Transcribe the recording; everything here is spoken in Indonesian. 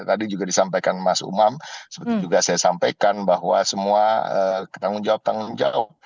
tadi juga disampaikan mas umam seperti juga saya sampaikan bahwa semua tanggung jawab tanggung jawab